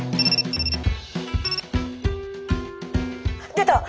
出た！